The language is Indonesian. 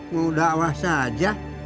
mau dakwah saja